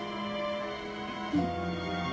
うん。